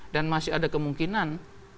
dan masih ada kemungkinan